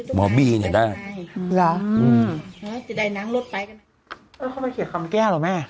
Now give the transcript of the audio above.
หมอบีเนี่ยได้เหรอจะได้นั่งรถไปกันเออเข้ามาเขียนคำแก้วเหรอแม่